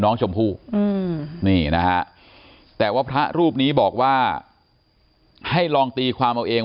น้องชมพู่นี่นะฮะแต่ว่าพระรูปนี้บอกว่าให้ลองตีความเอาเอง